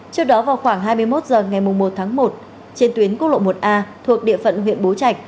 trước đó vào khoảng hai mươi một h ngày một tháng một trên tuyến quốc lộ một a thuộc địa phận huyện bố trạch